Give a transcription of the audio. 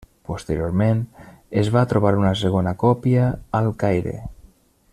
Posteriorment es va trobar una segona còpia al Caire.